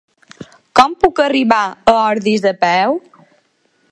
Com puc arribar a Ordis a peu?